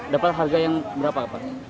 dapat harga yang berapa pak